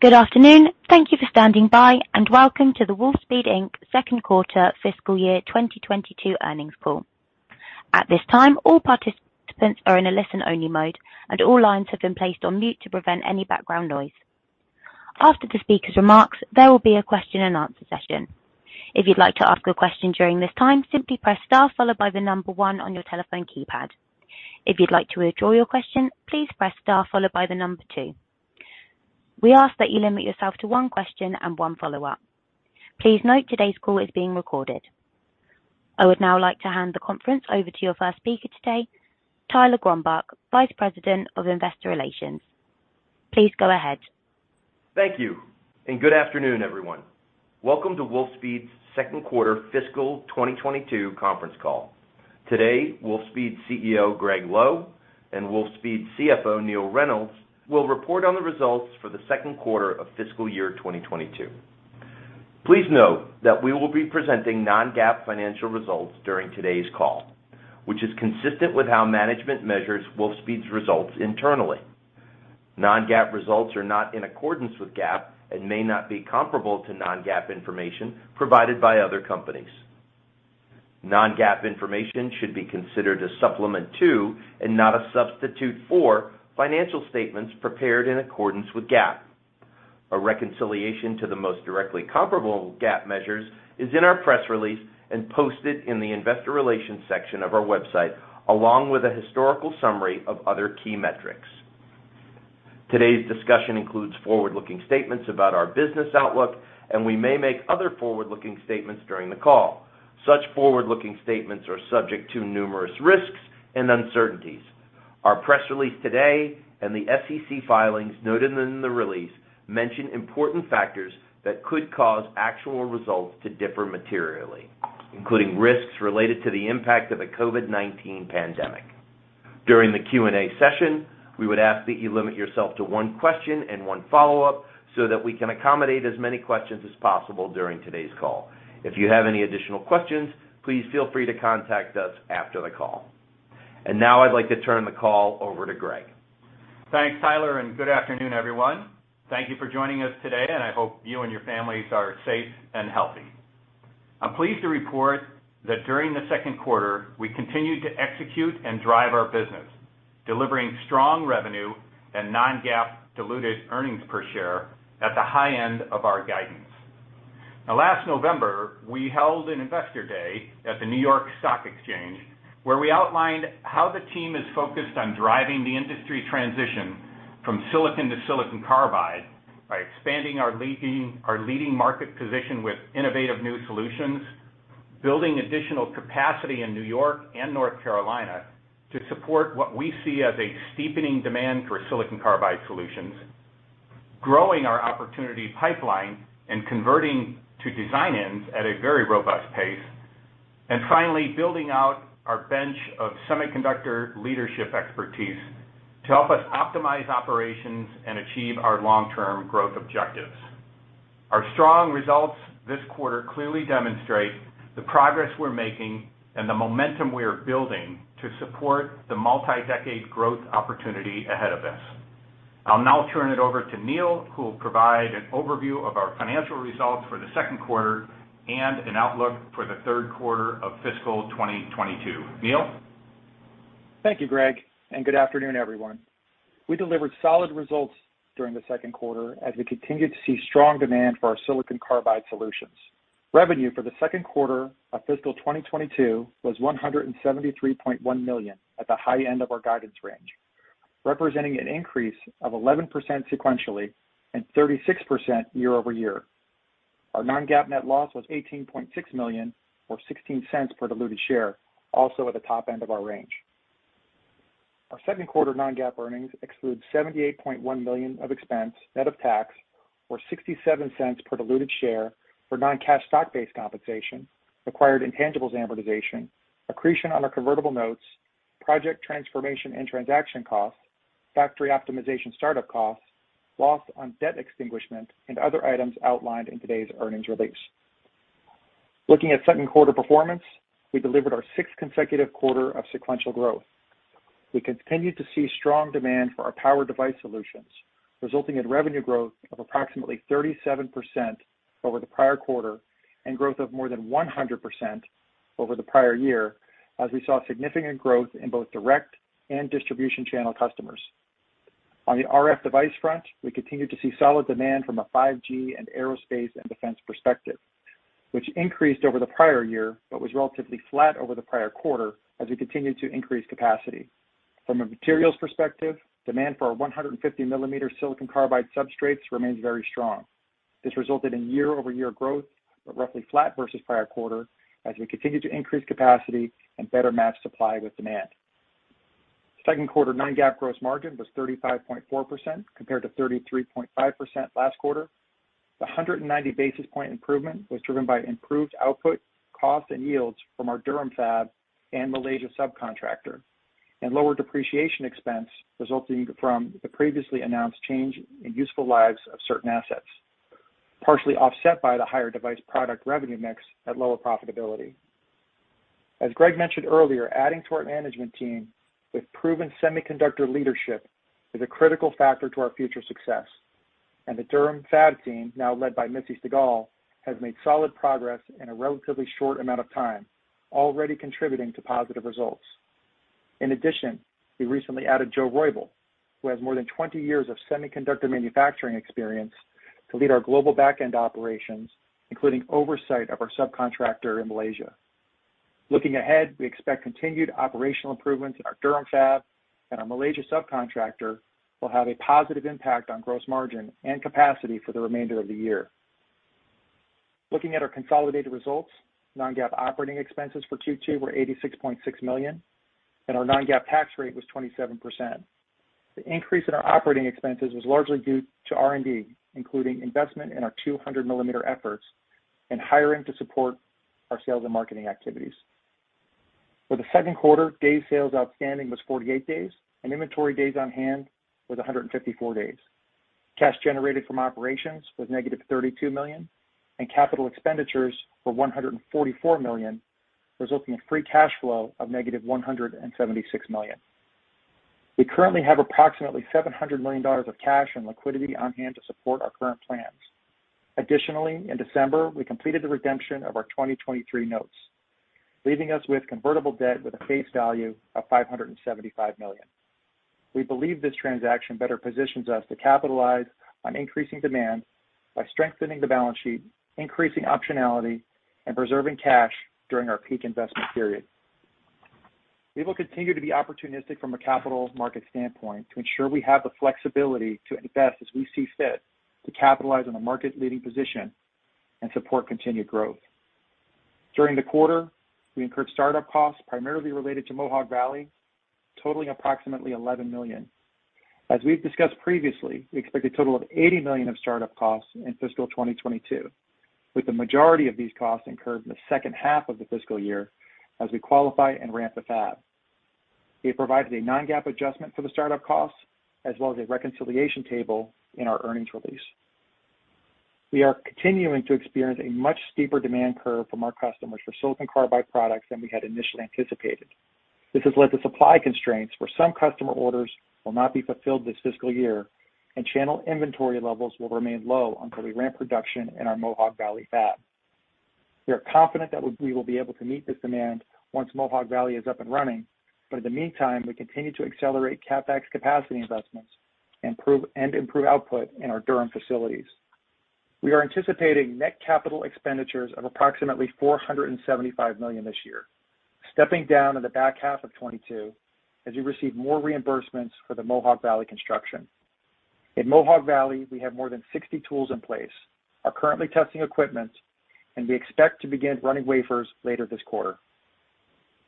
Good afternoon. Thank you for standing by, and welcome to the Wolfspeed, Inc. second quarter fiscal year 2022 earnings call. At this time, all participants are in a listen-only mode, and all lines have been placed on mute to prevent any background noise. After the speaker's remarks, there will be a question-and-answer session. If you'd like to ask a question during this time, simply press star followed by the number one on your telephone keypad. If you'd like to withdraw your question, please press star followed by the number two. We ask that you limit yourself to one question and one follow-up. Please note today's call is being recorded. I would now like to hand the conference over to your first speaker today, Tyler Gronbach, Vice President of Investor Relations. Please go ahead. Thank you, and good afternoon, everyone. Welcome to Wolfspeed's second quarter fiscal 2022 conference call. Today, Wolfspeed CEO, Gregg Lowe, and Wolfspeed CFO, Neill Reynolds, will report on the results for the second quarter of fiscal year 2022. Please note that we will be presenting non-GAAP financial results during today's call, which is consistent with how management measures Wolfspeed's results internally. Non-GAAP results are not in accordance with GAAP and may not be comparable to non-GAAP information provided by other companies. Non-GAAP information should be considered a supplement to, and not a substitute for, financial statements prepared in accordance with GAAP. A reconciliation to the most directly comparable GAAP measures is in our press release and posted in the investor relations section of our website, along with a historical summary of other key metrics. Today's discussion includes forward-looking statements about our business outlook, and we may make other forward-looking statements during the call. Such forward-looking statements are subject to numerous risks and uncertainties. Our press release today and the SEC filings noted in the release mention important factors that could cause actual results to differ materially, including risks related to the impact of the COVID-19 pandemic. During the Q&A session, we would ask that you limit yourself to one question and one follow-up so that we can accommodate as many questions as possible during today's call. If you have any additional questions, please feel free to contact us after the call. Now I'd like to turn the call over to Gregg. Thanks, Tyler, and good afternoon, everyone. Thank you for joining us today, and I hope you and your families are safe and healthy. I'm pleased to report that during the second quarter, we continued to execute and drive our business, delivering strong revenue and non-GAAP diluted earnings per share at the high end of our guidance. Now last November, we held an Investor Day at the New York Stock Exchange, where we outlined how the team is focused on driving the industry transition from silicon to silicon carbide by expanding our leading market position with innovative new solutions, building additional capacity in New York and North Carolina to support what we see as a steepening demand for silicon carbide solutions, growing our opportunity pipeline and converting to design-ins at a very robust pace. Finally, building out our bench of semiconductor leadership expertise to help us optimize operations and achieve our long-term growth objectives. Our strong results this quarter clearly demonstrate the progress we're making and the momentum we are building to support the multi-decade growth opportunity ahead of us. I'll now turn it over to Neill, who will provide an overview of our financial results for the second quarter and an outlook for the third quarter of fiscal 2022. Neill? Thank you, Gregg, and good afternoon, everyone. We delivered solid results during the second quarter as we continued to see strong demand for our silicon carbide solutions. Revenue for the second quarter of fiscal 2022 was $173.1 million, at the high end of our guidance range, representing an increase of 11% sequentially and 36% year-over-year. Our non-GAAP net loss was $18.6 million or $0.16 per diluted share, also at the top end of our range. Our second quarter non-GAAP earnings exclude $78.1 million of expense net of tax or $0.67 per diluted share for non-cash stock-based compensation, acquired intangibles amortization, accretion on our convertible notes, project transformation, and transaction costs, factory optimization startup costs, loss on debt extinguishment, and other items outlined in today's earnings release. Looking at second quarter performance, we delivered our sixth consecutive quarter of sequential growth. We continued to see strong demand for our power device solutions, resulting in revenue growth of approximately 37% over the prior quarter and growth of more than 100% over the prior year, as we saw significant growth in both direct and distribution channel customers. On the RF device front, we continued to see solid demand from a 5G and aerospace and defense perspective, which increased over the prior year but was relatively flat over the prior quarter as we continued to increase capacity. From a materials perspective, demand for our 150 mm silicon carbide substrates remains very strong. This resulted in year-over-year growth of roughly flat versus prior quarter as we continued to increase capacity and better match supply with demand. Second quarter non-GAAP gross margin was 35.4% compared to 33.5% last quarter. The 190 basis point improvement was driven by improved output, costs, and yields from our Durham fab and Malaysia subcontractor, and lower depreciation expense resulting from the previously announced change in useful lives of certain assets, partially offset by the higher device product revenue mix at lower profitability. As Gregg mentioned earlier, adding to our management team with proven semiconductor leadership is a critical factor to our future success. The Durham fab team, now led by Missy Stigall, has made solid progress in a relatively short amount of time, already contributing to positive results. In addition, we recently added Joe Roybal, who has more than 20 years of semiconductor manufacturing experience to lead our global back-end operations, including oversight of our subcontractor in Malaysia. Looking ahead, we expect continued operational improvements in our Durham fab, and our Malaysia subcontractor will have a positive impact on gross margin and capacity for the remainder of the year. Looking at our consolidated results, non-GAAP operating expenses for Q2 were $86.6 million, and our non-GAAP tax rate was 27%. The increase in our operating expenses was largely due to R&D, including investment in our 200 mm efforts and hiring to support our sales and marketing activities. For the second quarter, day sales outstanding was 48 days, and inventory days on hand was 154 days. Cash generated from operations was -$32 million, and capital expenditures were $144 million, resulting in free cash flow of -$176 million. We currently have approximately $700 million of cash and liquidity on hand to support our current plans. Additionally, in December, we completed the redemption of our 2023 notes, leaving us with convertible debt with a face value of $575 million. We believe this transaction better positions us to capitalize on increasing demand by strengthening the balance sheet, increasing optionality, and preserving cash during our peak investment period. We will continue to be opportunistic from a capital market standpoint to ensure we have the flexibility to invest as we see fit to capitalize on a market-leading position and support continued growth. During the quarter, we incurred startup costs primarily related to Mohawk Valley, totaling approximately $11 million. As we've discussed previously, we expect a total of $80 million of startup costs in fiscal 2022, with the majority of these costs incurred in the second half of the fiscal year as we qualify and ramp the fab. We have provided a non-GAAP adjustment for the startup costs as well as a reconciliation table in our earnings release. We are continuing to experience a much steeper demand curve from our customers for silicon carbide products than we had initially anticipated. This has led to supply constraints where some customer orders will not be fulfilled this fiscal year, and channel inventory levels will remain low until we ramp production in our Mohawk Valley fab. We are confident that we will be able to meet this demand once Mohawk Valley is up and running, but in the meantime, we continue to accelerate CapEx capacity investments, improve output in our Durham facilities. We are anticipating net capital expenditures of approximately $475 million this year, stepping down in the back half of 2022 as we receive more reimbursements for the Mohawk Valley construction. At Mohawk Valley, we have more than 60 tools in place, are currently testing equipment, and we expect to begin running wafers later this quarter.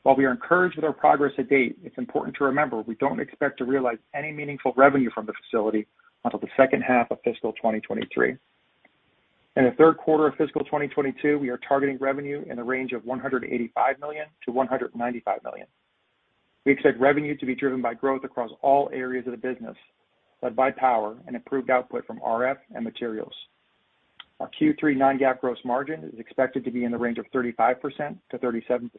While we are encouraged with our progress to date, it's important to remember we don't expect to realize any meaningful revenue from the facility until the second half of fiscal 2023. In the third quarter of fiscal 2022, we are targeting revenue in the range of $185 million-$195 million. We expect revenue to be driven by growth across all areas of the business, led by power and improved output from RF and materials. Our Q3 non-GAAP gross margin is expected to be in the range of 35%-37%.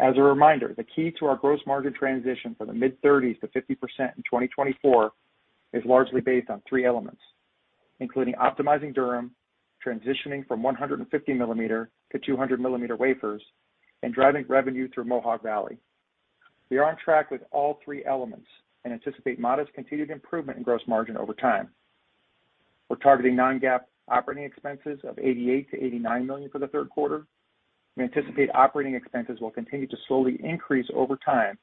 As a reminder, the key to our gross margin transition from the mid-30s% to 50% in 2024 is largely based on three elements, including optimizing Durham, transitioning from 150 mm to 200 mm wafers, and driving revenue through Mohawk Valley. We are on track with all three elements and anticipate modest continued improvement in gross margin over time. We're targeting non-GAAP operating expenses of $88 million-$89 million for the third quarter. We anticipate operating expenses will continue to slowly increase over time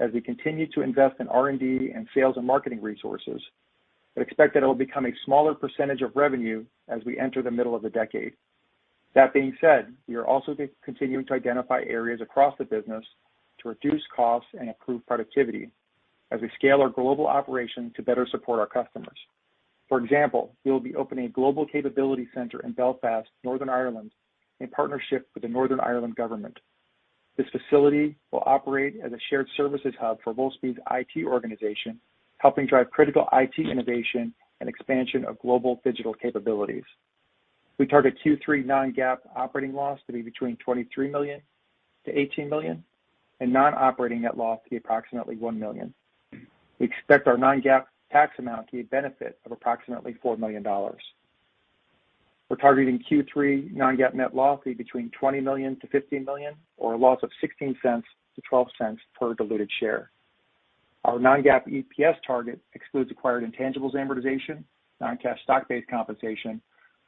as we continue to invest in R&D and sales and marketing resources, but expect that it'll become a smaller percentage of revenue as we enter the middle of the decade. That being said, we are also continuing to identify areas across the business to reduce costs and improve productivity as we scale our global operation to better support our customers. For example, we will be opening a global capability center in Belfast, Northern Ireland, in partnership with the Northern Ireland government. This facility will operate as a shared services hub for Wolfspeed's IT organization, helping drive critical IT innovation and expansion of global digital capabilities. We target Q3 non-GAAP operating loss to be between $23 million-$18 million, and non-operating net loss to be approximately $1 million. We expect our non-GAAP tax amount to be a benefit of approximately $4 million. We're targeting Q3 non-GAAP net loss to be between $20 million-$15 million, or a loss of $0.16-$0.12 per diluted share. Our non-GAAP EPS target excludes acquired intangibles amortization, non-cash stock-based compensation,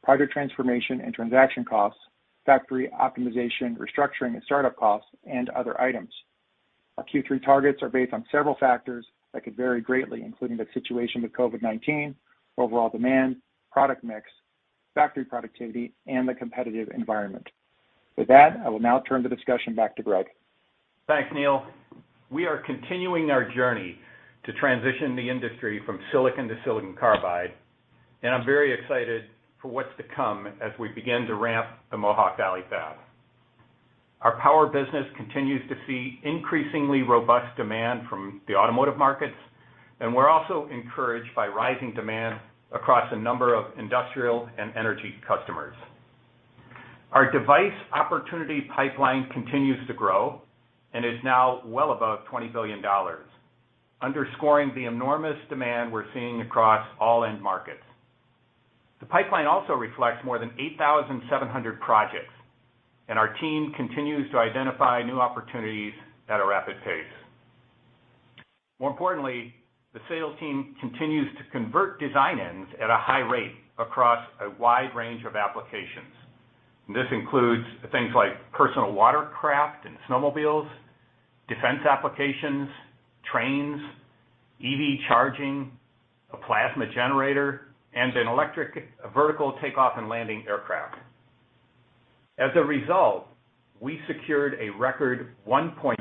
project transformation and transaction costs, factory optimization, restructuring, and startup costs, and other items. Our Q3 targets are based on several factors that could vary greatly, including the situation with COVID-19, overall demand, product mix, factory productivity, and the competitive environment. With that, I will now turn the discussion back to Gregg. Thanks, Neill. We are continuing our journey to transition the industry from silicon to silicon carbide, and I'm very excited for what's to come as we begin to ramp the Mohawk Valley fab. Our power business continues to see increasingly robust demand from the automotive markets. We're also encouraged by rising demand across a number of industrial and energy customers. Our device opportunity pipeline continues to grow and is now well above $20 billion, underscoring the enormous demand we're seeing across all end markets. The pipeline also reflects more than 8,700 projects, and our team continues to identify new opportunities at a rapid pace. More importantly, the sales team continues to convert design-ins at a high rate across a wide range of applications. This includes things like personal watercraft and snowmobiles, defense applications, trains, EV charging, a plasma generator, and an electric vertical takeoff and landing aircraft. As a result, we secured a record $1.6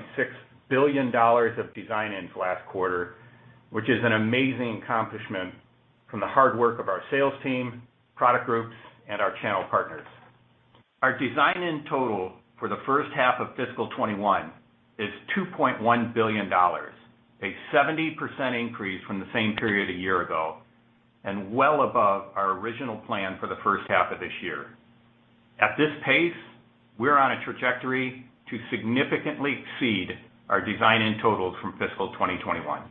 billion of design-ins last quarter, which is an amazing accomplishment from the hard work of our sales team, product groups, and our channel partners. Our design-in total for the first half of fiscal 2021 is $2.1 billion, a 70% increase from the same period a year ago and well above our original plan for the first half of this year. At this pace, we're on a trajectory to significantly exceed our design-in totals from fiscal 2021.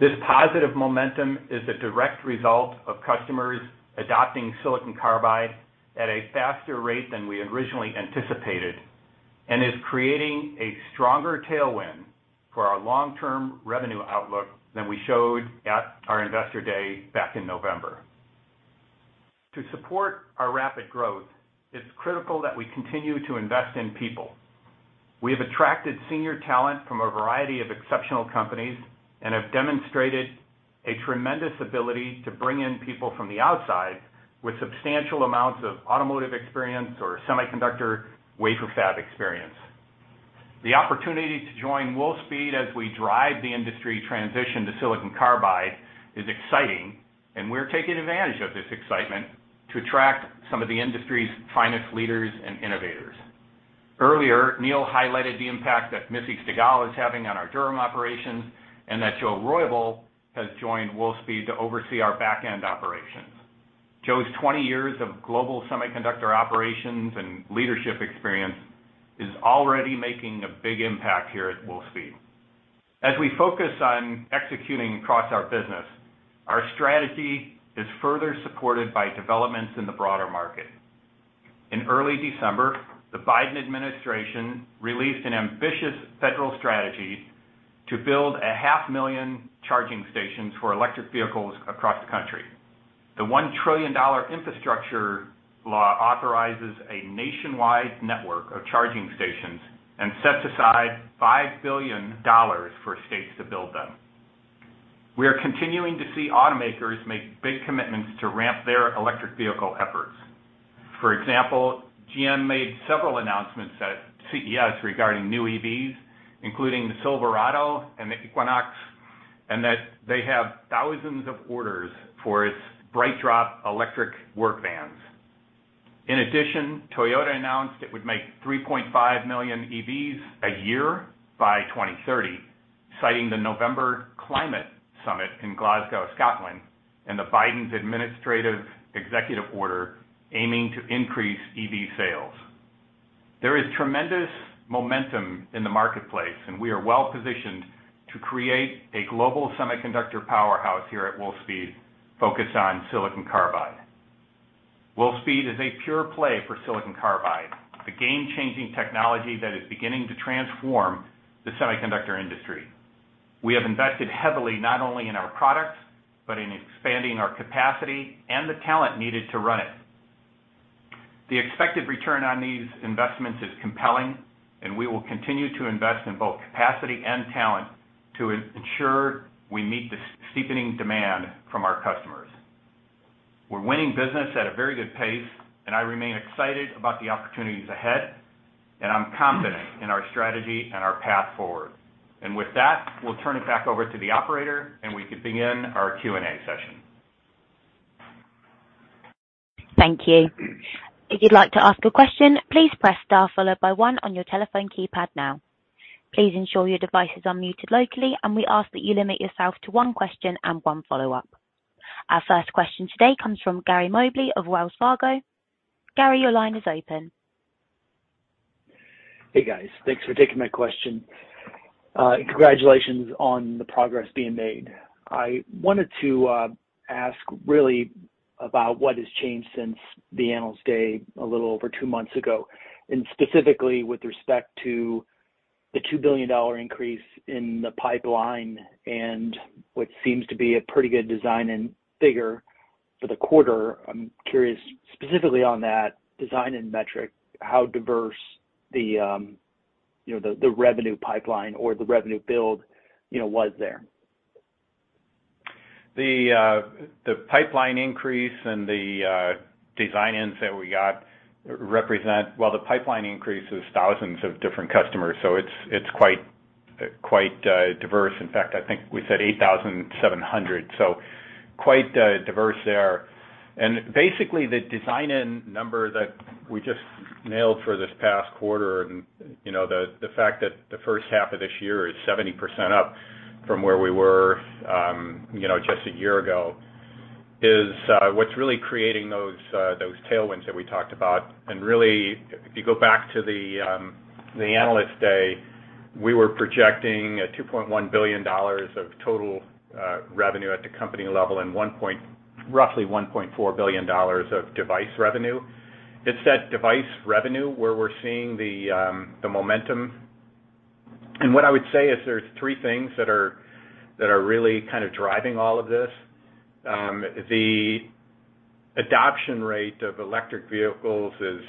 This positive momentum is a direct result of customers adopting silicon carbide at a faster rate than we originally anticipated and is creating a stronger tailwind for our long-term revenue outlook than we showed at our Investor Day back in November. To support our rapid growth, it's critical that we continue to invest in people. We have attracted senior talent from a variety of exceptional companies and have demonstrated a tremendous ability to bring in people from the outside with substantial amounts of automotive experience or semiconductor wafer fab experience. The opportunity to join Wolfspeed as we drive the industry transition to silicon carbide is exciting, and we're taking advantage of this excitement to attract some of the industry's finest leaders and innovators. Earlier, Neill highlighted the impact that Missy Stigall is having on our Durham operations and that Joe Roybal has joined Wolfspeed to oversee our back-end operations. Joe's 20 years of global semiconductor operations and leadership experience is already making a big impact here at Wolfspeed. As we focus on executing across our business, our strategy is further supported by developments in the broader market. In early December, the Biden administration released an ambitious federal strategy to build 500,000 charging stations for electric vehicles across the country. The $1 trillion infrastructure law authorizes a nationwide network of charging stations and sets aside $5 billion for states to build them. We are continuing to see automakers make big commitments to ramp their electric vehicle efforts. For example, GM made several announcements at CES regarding new EVs, including the Silverado and the Equinox, and that they have thousands of orders for its BrightDrop electric work vans. In addition, Toyota announced it would make 3.5 million EVs a year by 2030, citing the November climate summit in Glasgow, Scotland, and the Biden administration's executive order aiming to increase EV sales. There is tremendous momentum in the marketplace, and we are well-positioned to create a global semiconductor powerhouse here at Wolfspeed focused on silicon carbide. Wolfspeed is a pure play for silicon carbide, the game-changing technology that is beginning to transform the semiconductor industry. We have invested heavily not only in our products, but in expanding our capacity and the talent needed to run it. The expected return on these investments is compelling, and we will continue to invest in both capacity and talent to ensure we meet the steepening demand from our customers. We're winning business at a very good pace, and I remain excited about the opportunities ahead, and I'm confident in our strategy and our path forward. With that, we'll turn it back over to the operator, and we can begin our Q&A session. Thank you. If you'd like to ask a question, please press star followed by one on your telephone keypad now. Please ensure your devices are muted locally, and we ask that you limit yourself to one question and one follow-up. Our first question today comes from Gary Mobley of Wells Fargo. Gary, your line is open. Hey, guys. Thanks for taking my question. Congratulations on the progress being made. I wanted to ask really about what has changed since the Investor Day a little over two months ago, and specifically with respect to the $2 billion increase in the pipeline and what seems to be a pretty good design and figure for the quarter. I'm curious specifically on that design and metric, how diverse the, you know, the revenue pipeline or the revenue build, you know, was there? Well, the pipeline increase is thousands of different customers, so it's quite diverse. In fact, I think we said 8,700. Quite diverse there. Basically, the design-in number that we just nailed for this past quarter and, you know, the fact that the first half of this year is 70% up from where we were, you know, just a year ago, is what's really creating those tailwinds that we talked about. Really, if you go back to the Investor Day, we were projecting $2.1 billion of total revenue at the company level and roughly $1.4 billion of device revenue. It's that device revenue where we're seeing the momentum. What I would say is there's three things that are really kind of driving all of this. The adoption rate of electric vehicles is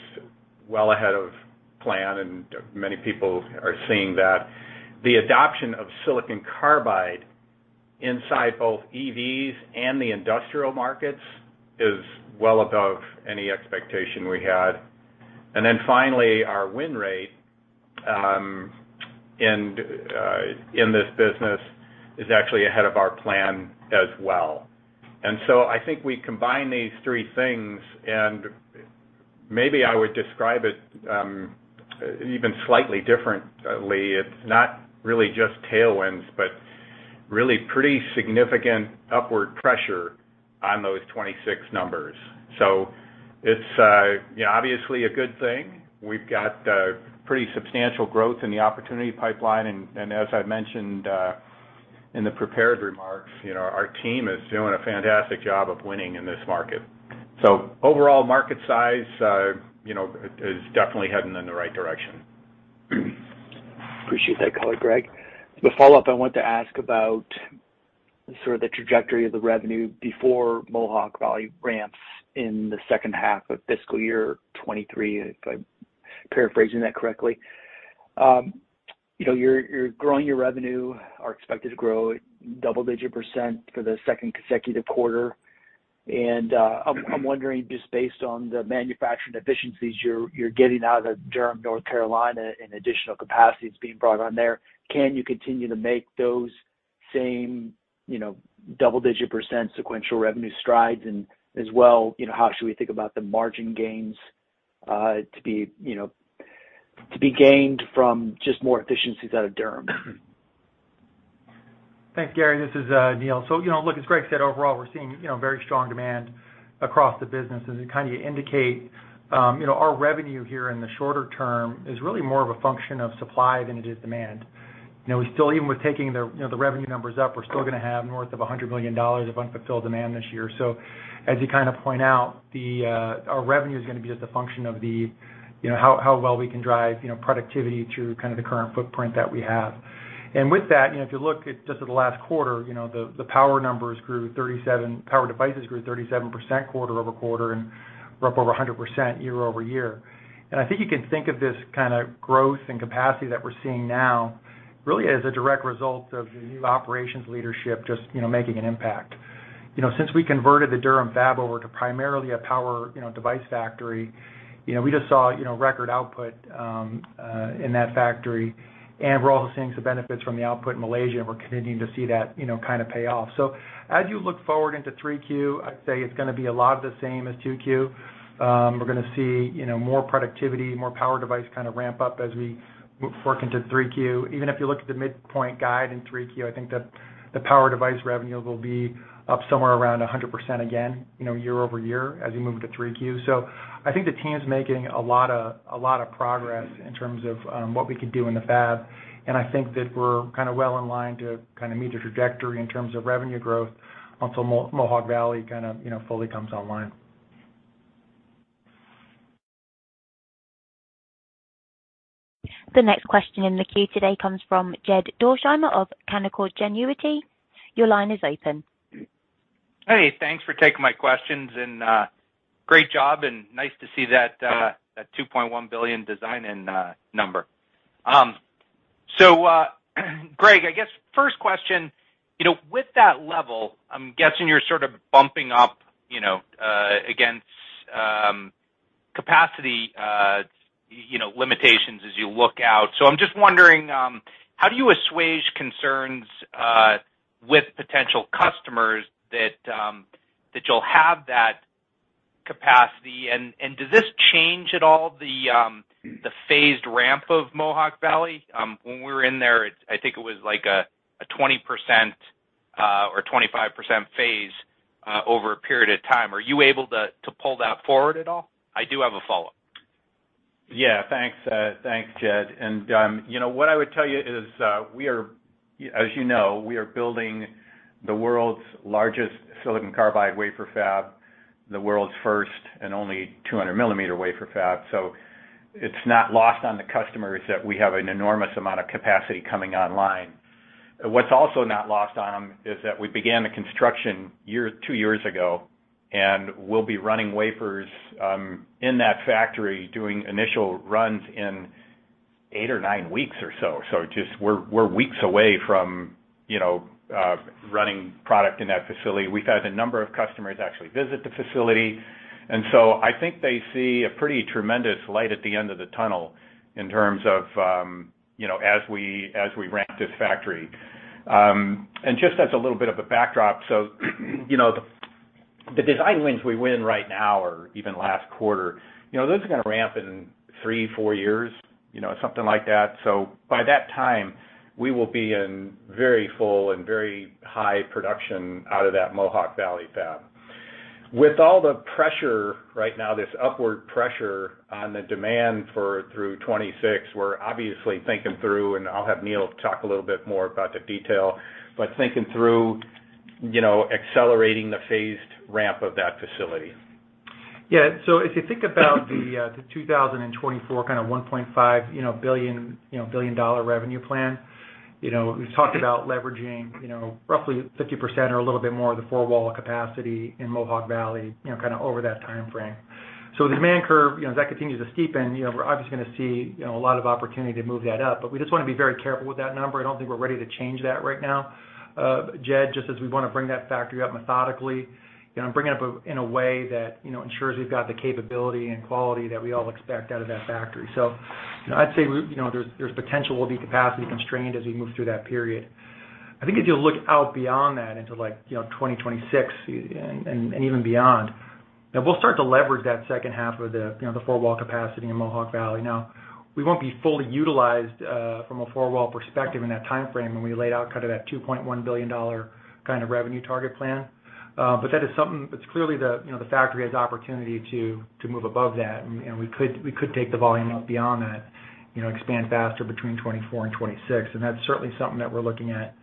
well ahead of plan, and many people are seeing that. The adoption of silicon carbide inside both EVs and the industrial markets is well above any expectation we had. Finally, our win rate in this business is actually ahead of our plan as well. I think we combine these three things, and maybe I would describe it even slightly differently. It's not really just tailwinds, but really pretty significant upward pressure on those 26 numbers. It's you know, obviously a good thing. We've got pretty substantial growth in the opportunity pipeline. As I mentioned in the prepared remarks, you know, our team is doing a fantastic job of winning in this market. Overall market size, you know, is definitely heading in the right direction. Appreciate that color, Gregg. The follow-up I wanted to ask about sort of the trajectory of the revenue before Mohawk Valley ramps in the second half of fiscal year 2023, if I'm paraphrasing that correctly. You know, you're growing your revenue, are expected to grow double-digit percent for the second consecutive quarter. I'm wondering just based on the manufacturing efficiencies you're getting out of Durham, North Carolina, and additional capacity that's being brought on there, can you continue to make those same, you know, double-digit percent sequential revenue strides? As well, you know, how should we think about the margin gains to be gained from just more efficiencies out of Durham? Thanks, Gary. This is Neill. So, you know, look, as Gregg said, overall, we're seeing, you know, very strong demand across the business. As you kind of indicate, you know, our revenue here in the shorter-term is really more of a function of supply than it is demand. You know, we still, even with taking the, you know, the revenue numbers up, we're still gonna have north of $100 million of unfulfilled demand this year. So as you kind of point out, our revenue is gonna be just a function of the, you know, how well we can drive, you know, productivity through kind of the current footprint that we have. With that, you know, if you look at just at the last quarter, you know, the power devices grew 37% quarter-over-quarter, and we're up over 100% year-over-year. I think you can think of this kind of growth and capacity that we're seeing now really as a direct result of the new operations leadership just, you know, making an impact. You know, since we converted the Durham fab over to primarily a power, you know, device factory, you know, we just saw, you know, record output in that factory. We're also seeing some benefits from the output in Malaysia, and we're continuing to see that, you know, kind of pay off. As you look forward into 3Q, I'd say it's gonna be a lot of the same as 2Q. We're gonna see, you know, more productivity, more power device kind of ramp up as we work into 3Q. Even if you look at the midpoint guide in 3Q, I think the power device revenue will be up somewhere around 100% again, you know, year-over-year as you move into 3Q. I think the team's making a lot of progress in terms of what we could do in the fab, and I think that we're kind of well in line to kind of meet the trajectory in terms of revenue growth until Mohawk Valley kind of, you know, fully comes online. The next question in the queue today comes from Jed Dorsheimer of Canaccord Genuity. Your line is open. Hey, thanks for taking my questions and great job and nice to see that $2.1 billion design-in number. So, Gregg, I guess first question, you know, with that level, I'm guessing you're sort of bumping up, you know, against capacity, you know, limitations as you look out. So I'm just wondering how do you assuage concerns with potential customers that you'll have that capacity? And does this change at all the phased ramp of Mohawk Valley? When we were in there, I think it was like a 20% or 25% phase over a period of time. Are you able to pull that forward at all? I do have a follow-up. Yeah. Thanks, Jed. You know, what I would tell you is, we are, as you know, we are building the world's largest silicon carbide wafer fab, the world's first and only 200 mm wafer fab. It's not lost on the customers that we have an enormous amount of capacity coming online. What's also not lost on them is that we began construction two years ago, and we'll be running wafers in that factory doing initial runs in eight or nine weeks or so. We're weeks away from, you know, running product in that facility. We've had a number of customers actually visit the facility. I think they see a pretty tremendous light at the end of the tunnel in terms of, you know, as we ramp this factory. Just as a little bit of a backdrop, you know, the design wins we win right now or even last quarter, you know, those are gonna ramp in three, four years, you know, something like that. By that time, we will be in very full and very high production out of that Mohawk Valley fab. With all the pressure right now, this upward pressure on the demand for through 2026, we're obviously thinking through, and I'll have Neill talk a little bit more about the detail, but thinking through, you know, accelerating the phased ramp of that facility. Yeah. If you think about the 2024 kind of $1.5 billion, you know, billion-dollar revenue plan, you know, we've talked about leveraging, you know, roughly 50% or a little bit more of the four-wall capacity in Mohawk Valley, you know, kind of over that timeframe. The demand curve, you know, as that continues to steepen, you know, we're obviously gonna see, you know, a lot of opportunity to move that up. But we just wanna be very careful with that number. I don't think we're ready to change that right now, Jed, just as we wanna bring that factory up methodically, you know, bring it up in a way that, you know, ensures we've got the capability and quality that we all expect out of that factory. You know, I'd say, you know, there's potential we'll be capacity constrained as we move through that period. I think if you look out beyond that into like, you know, 2026 and even beyond, we'll start to leverage that second half of the, you know, the four-wall capacity in Mohawk Valley. Now, we won't be fully utilized from a four-wall perspective in that timeframe when we laid out kind of that $2.1 billion kind of revenue target plan. But that is something that's clearly the, you know, the factory has opportunity to move above that, and we could take the volume up beyond that, you know, expand faster between 2024 and 2026. That's certainly something that we're looking at,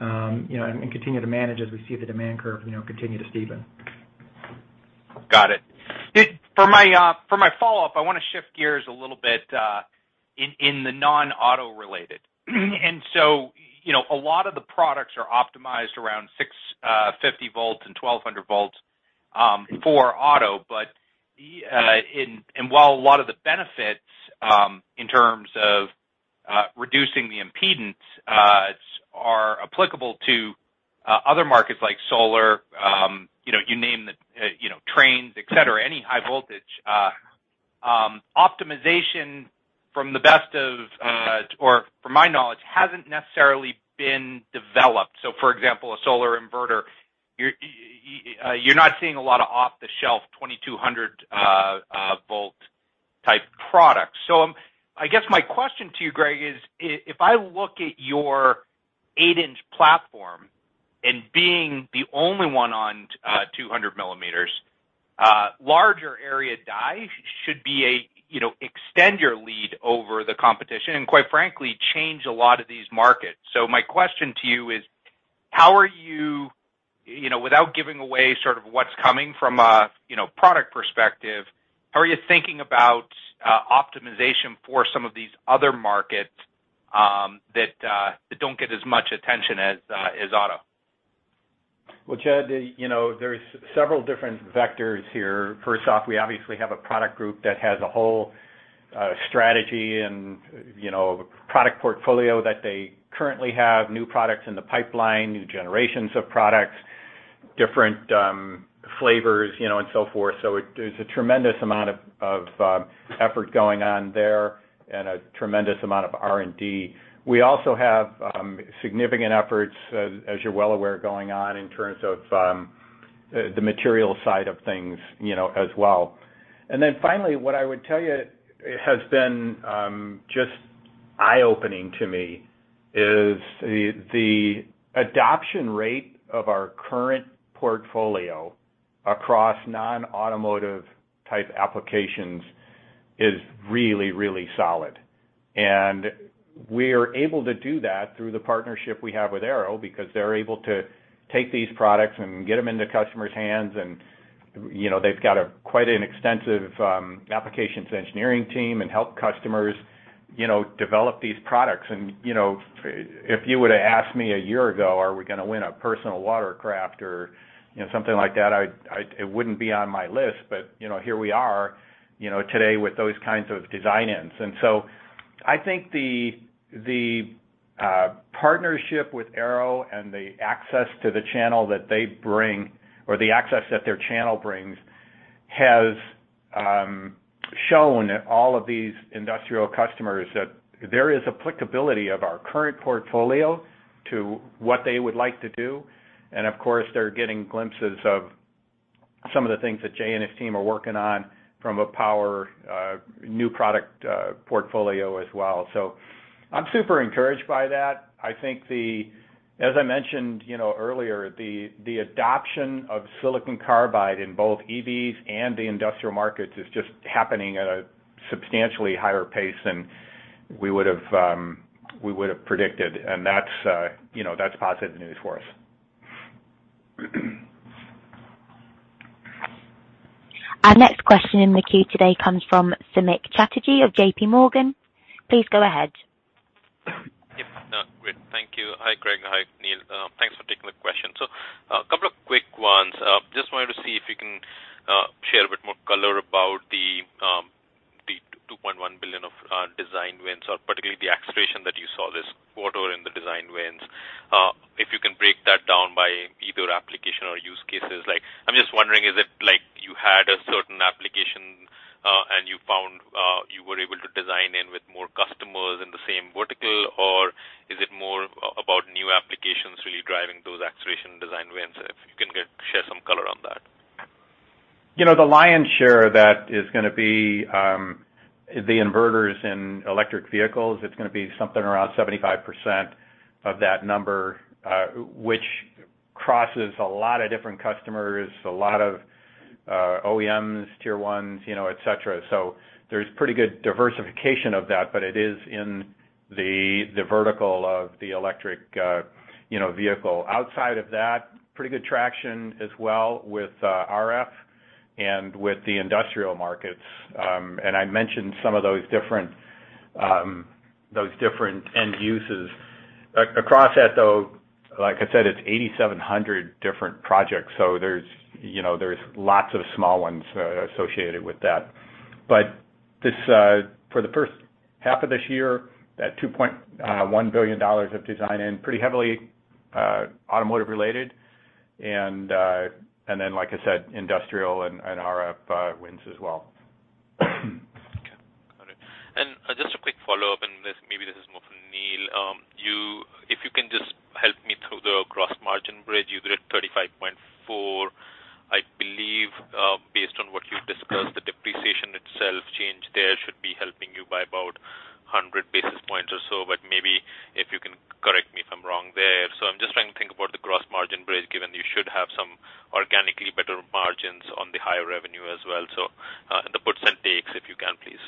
you know, and continue to manage as we see the demand curve, you know, continue to steepen. Got it. For my follow-up, I wanna shift gears a little bit in the non-auto related. You know, a lot of the products are optimized around 650 V and 1,200 V for auto. While a lot of the benefits in terms of reducing the impedance are applicable to other markets like solar, you know, you name the trains, et cetera, any high voltage optimization from the best of or from my knowledge hasn't necessarily been developed. For example, a solar inverter, you're not seeing a lot of off-the-shelf 2,200 V type products. I guess my question to you, Gregg, is if I look at your eight-inch platform and being the only one on 200 mm, larger area die should be a extend your lead over the competition and quite frankly, change a lot of these markets. My question to you is, how are you, without giving away sort of what's coming from a product perspective, how are you thinking about optimization for some of these other markets, that don't get as much attention as auto? Well, Jed, you know, there's several different vectors here. First off, we obviously have a product group that has a whole strategy and, you know, product portfolio that they currently have, new products in the pipeline, new generations of products, different flavors, you know, and so forth. There's a tremendous amount of effort going on there and a tremendous amount of R&D. We also have significant efforts as you're well aware, going on in terms of the material side of things, you know, as well. Then finally, what I would tell you has been just eye-opening to me is the adoption rate of our current portfolio across non-automotive type applications is really, really solid. We are able to do that through the partnership we have with Arrow because they're able to take these products and get them into customers' hands. You know, they've got quite an extensive applications engineering team and help customers, you know, develop these products. You know, if you were to ask me a year ago, are we gonna win a personal watercraft or, you know, something like that, it wouldn't be on my list. You know, here we are, you know, today with those kinds of design-ins. I think the partnership with Arrow and the access to the channel that they bring or the access that their channel brings has shown all of these industrial customers that there is applicability of our current portfolio to what they would like to do. Of course, they're getting glimpses of some of the things that Jay and his team are working on from a power, new product portfolio as well. I'm super encouraged by that. I think as I mentioned, you know, earlier, the adoption of silicon carbide in both EVs and the industrial markets is just happening at a substantially higher pace than we would have predicted. That's, you know, positive news for us. Our next question in the queue today comes from Samik Chatterjee of JPMorgan. Please go ahead. Yep. No, great. Thank you. Hi, Gregg. Hi, Neill. Thanks for taking the question. A couple of quick ones. Just wanted to see if you can share a bit more color about the breakdown by either application or use cases. Like, I'm just wondering, is it like you had a certain application, and you found you were able to design in with more customers in the same vertical? Or is it more about new applications really driving those acceleration design wins? If you can share some color on that. You know, the lion's share of that is gonna be the inverters in electric vehicles. It's gonna be something around 75% of that number, which crosses a lot of different customers, a lot of OEMs, tier ones, you know, et cetera. There's pretty good diversification of that, but it is in the vertical of the electric, you know, vehicle. Outside of that, pretty good traction as well with RF and with the industrial markets. I mentioned some of those different end uses. Across that though, like I said, it's 8,700 different projects, so there's, you know, there's lots of small ones associated with that. This, for the first half of this year, that $2.1 billion of design-in pretty heavily automotive-related and then, like I said, industrial and RF wins as well. Okay. Got it. Just a quick follow-up, and this, maybe this is more for Neill. If you can just help me through the gross margin bridge. You did 35.4%. I believe, based on what you've discussed, the depreciation itself change there should be helping you by about 100 basis points or so. Maybe if you can correct me if I'm wrong there. I'm just trying to think about the gross margin bridge, given that you should have some organically better margins on the higher revenue as well. The puts and takes, if you can, please.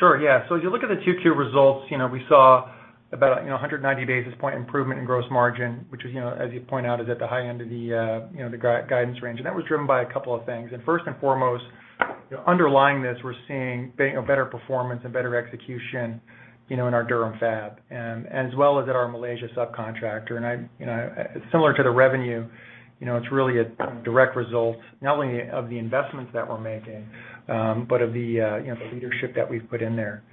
Sure, yeah. As you look at the 2Q results, you know, we saw about 190 basis point improvement in gross margin, which is, you know, as you point out, is at the high end of the guidance range. That was driven by a couple of things. First and foremost, you know, underlying this, we're seeing a better performance and better execution, you know, in our Durham fab and as well as at our Malaysia subcontractor. I'm, you know, similar to the revenue, you know, it's really a direct result not only of the investments that we're making, but of the leadership that we've put in there.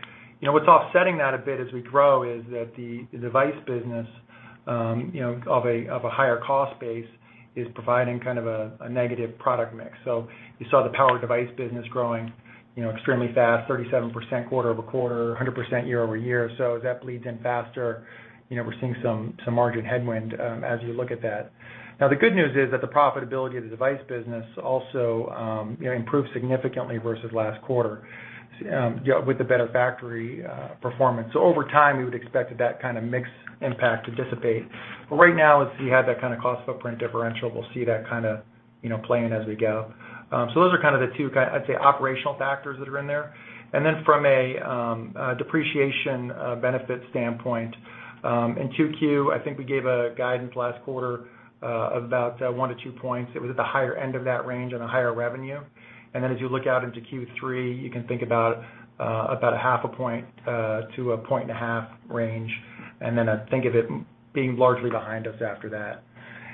You know, what's offsetting that a bit as we grow is that the device business, you know, of a higher cost base is providing kind of a negative product mix. You saw the power device business growing, you know, extremely fast, 37% quarter-over-quarter, 100% year-over-year. As that bleeds in faster, you know, we're seeing some margin headwind as you look at that. Now, the good news is that the profitability of the device business also, you know, improved significantly versus last quarter with the better factory performance. Over time, we would expect that kind of mix impact to dissipate. Right now, as we have that kind of cost footprint differential, we'll see that kinda, you know, playing as we go. Those are kind of the two I'd say, operational factors that are in there. From a depreciation benefit standpoint, in 2Q, I think we gave guidance last quarter about 1-2 points. It was at the higher end of that range on higher revenue. As you look out into Q3, you can think about a 0.5 to 1.5 point range. I think of it being largely behind us after that.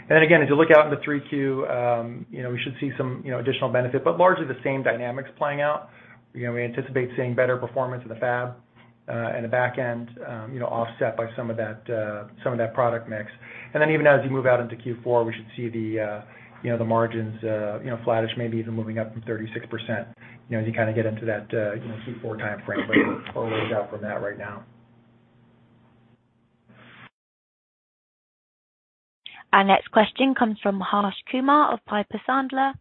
As you look out into 3Q, you know, we should see some, you know, additional benefit, but largely the same dynamics playing out. You know, we anticipate seeing better performance in the fab and the back end, you know, offset by some of that, some of that product mix. Even as you move out into Q4, we should see the, you know, the margins, you know, flattish maybe even moving up from 36%, you know, as you kinda get into that, you know, Q4 timeframe further out from that right now. Our next question comes from Harsh Kumar of Piper Sandler.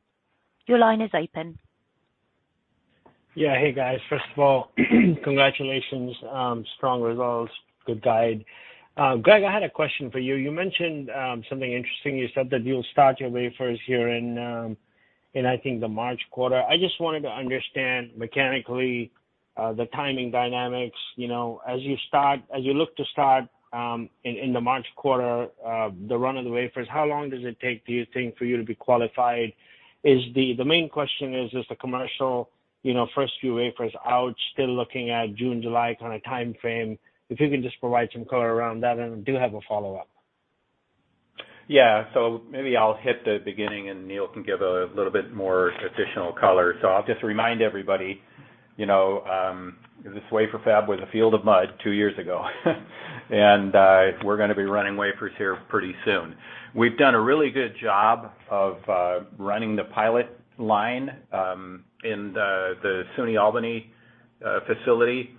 Your line is open. Yeah. Hey, guys. First of all, congratulations. Strong results, good guide. Gregg, I had a question for you. You mentioned something interesting. You said that you'll start your wafers here in I think, the March quarter. I just wanted to understand mechanically the timing dynamics. You know, as you look to start in the March quarter the run of the wafers, how long does it take, do you think, for you to be qualified? The main question is the commercial, you know, first few wafers out, still looking at June, July kinda timeframe? If you can just provide some color around that, and I do have a follow-up. Yeah. Maybe I'll hit the beginning, and Neill can give a little bit more additional color. I'll just remind everybody, you know, this wafer fab was a field of mud two years ago, and we're gonna be running wafers here pretty soon. We've done a really good job of running the pilot line in the SUNY Albany facility.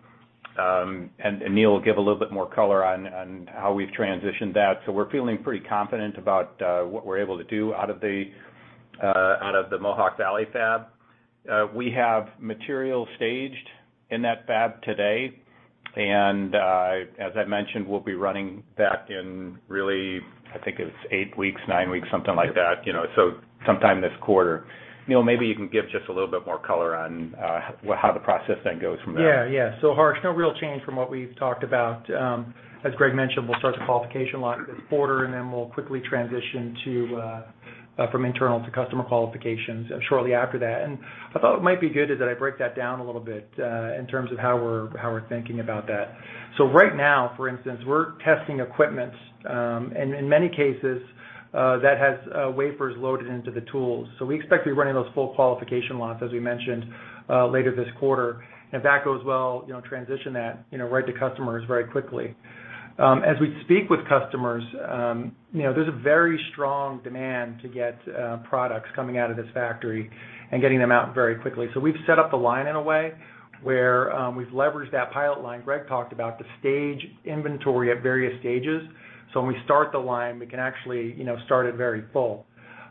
Neill will give a little bit more color on how we've transitioned that. We're feeling pretty confident about what we're able to do out of the Mohawk Valley fab. We have material staged in that fab today, and as I mentioned, we'll be running that in really, I think it's eight weeks, nine weeks, something like that. You know, sometime this quarter. Neill, maybe you can give just a little bit more color on how the process then goes from there. Yeah, yeah. Harsh, no real change from what we've talked about. As Gregg mentioned, we'll start the qualification lot this quarter, and then we'll quickly transition from internal to customer qualifications shortly after that. I thought what might be good is that I break that down a little bit in terms of how we're thinking about that. Right now, for instance, we're testing equipment in many cases that has wafers loaded into the tools. We expect to be running those full qualification lots, as we mentioned, later this quarter. If that goes well, you know, we'll transition that, you know, right to customers very quickly. As we speak with customers, you know, there's a very strong demand to get products coming out of this factory and getting them out very quickly. We've set up the line in a way where we've leveraged that pilot line Gregg talked about to stage inventory at various stages. When we start the line, we can actually, you know, start it very full.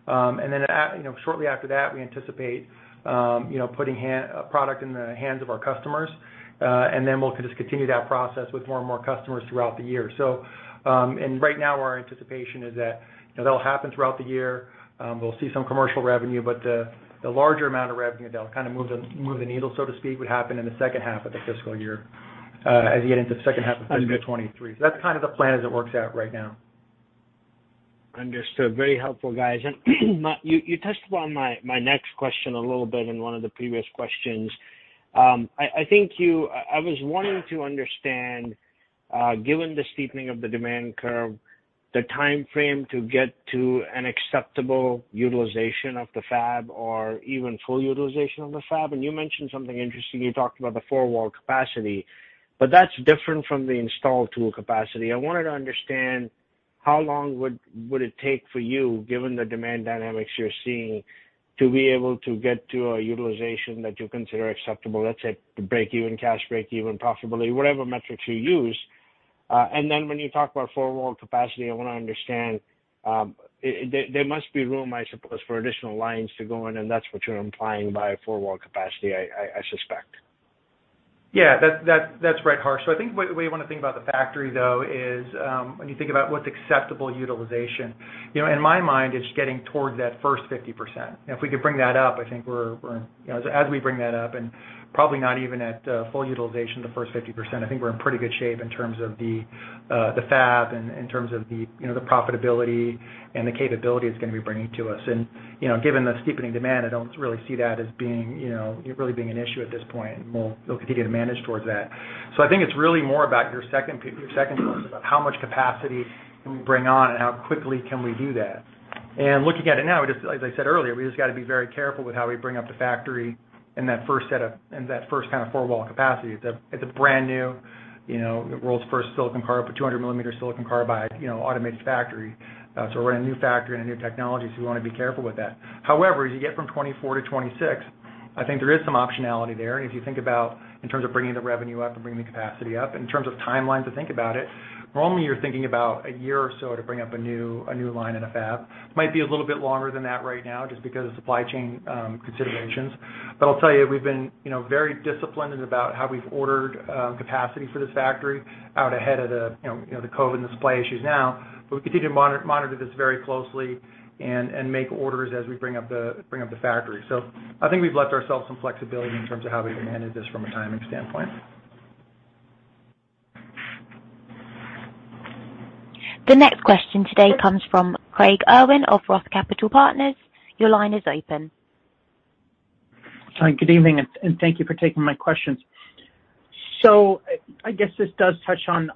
You know, shortly after that, we anticipate, you know, putting product in the hands of our customers, and then we'll just continue that process with more and more customers throughout the year. Right now, our anticipation is that, you know, that'll happen throughout the year. We'll see some commercial revenue, but the larger amount of revenue that'll kind of move the needle, so to speak, would happen in the second half of the fiscal year as we get into the second half of 2023. That's kind of the plan as it works out right now. Understood. Very helpful, guys. You touched upon my next question a little bit in one of the previous questions. I think I was wanting to understand, given the steepening of the demand curve, the timeframe to get to an acceptable utilization of the fab or even full utilization of the fab, and you mentioned something interesting. You talked about the four wall capacity, but that's different from the installed tool capacity. I wanted to understand how long would it take for you, given the demand dynamics you're seeing, to be able to get to a utilization that you consider acceptable, let's say to break even, cash break even, profitability, whatever metrics you use. When you talk about four wall capacity, I wanna understand, there must be room, I suppose, for additional lines to go in, and that's what you're implying by four wall capacity, I suspect. Yeah. That's right, Harsh. I think the way you wanna think about the factory though is, when you think about what's acceptable utilization, you know, in my mind, it's getting towards that first 50%. If we could bring that up, I think we're, you know, as we bring that up, and probably not even at full utilization of the first 50%, I think we're in pretty good shape in terms of the fab and in terms of the, you know, the profitability and the capability it's gonna be bringing to us. You know, given the steepening demand, I don't really see that as being, you know, really being an issue at this point, and we'll look to continue to manage towards that. I think it's really more about your second point about how much capacity can we bring on and how quickly can we do that. Looking at it now, just as I said earlier, we just gotta be very careful with how we bring up the factory in that first kind of four-wall capacity. It's a brand new, you know, the world's first or 200 mm silicon carbide, you know, automated factory. We're in a new factory and a new technology, so we wanna be careful with that. However, as you get from 2024 to 2026, I think there is some optionality there, and if you think about in terms of bringing the revenue up and bringing the capacity up, in terms of timelines to think about it, normally you're thinking about a year or so to bring up a new line in a fab. It might be a little bit longer than that right now just because of supply chain considerations. But I'll tell you, we've been, you know, very disciplined about how we've ordered capacity for this factory out ahead of the, you know, the COVID and the supply issues now. But we continue to monitor this very closely and make orders as we bring up the factory. I think we've left ourselves some flexibility in terms of how we can manage this from a timing standpoint. The next question today comes from Craig Irwin of ROTH Capital Partners. Your line is open. Hi, good evening, and thank you for taking my questions. I guess this does touch on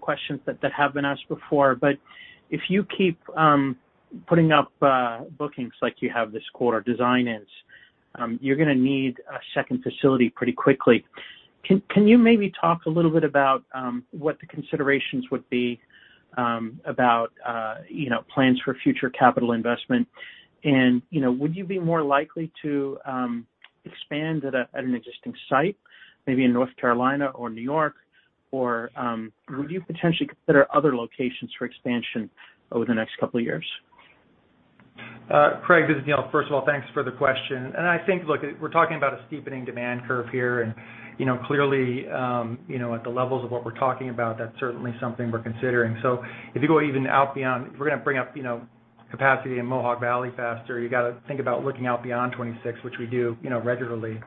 questions that have been asked before. If you keep putting up bookings like you have this quarter design ins, you're gonna need a second facility pretty quickly. Can you maybe talk a little bit about what the considerations would be about you know plans for future capital investment? You know, would you be more likely to expand at an existing site, maybe in North Carolina or New York? Would you potentially consider other locations for expansion over the next couple of years? Craig, this is Neill. First of all, thanks for the question, and I think, look, we're talking about a steepening demand curve here and, you know, clearly, you know, at the levels of what we're talking about, that's certainly something we're considering. If you go even out beyond, if we're gonna bring up, you know, capacity in Mohawk Valley faster, you gotta think about looking out beyond 2026, which we do, you know, regularly.